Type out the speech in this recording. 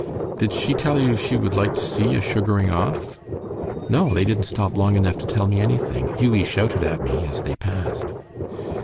"Did she tell you she would like to see a sugaring off?" "No; they didn't stop long enough to tell me anything. Hughie shouted at me as they passed."